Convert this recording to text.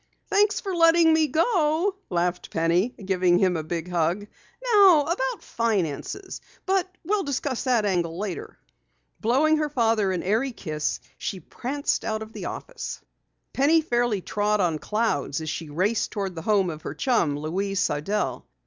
"Thanks for letting me go," laughed Penny, giving him a big hug. "Now about finances but we'll discuss that angle later." Blowing her father an airy kiss, she pranced out of the office. Penny fairly trod on clouds as she raced toward the home of her chum, Louise Sidell.